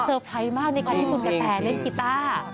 ไพรส์มากในการที่คุณกะแตเล่นกีต้า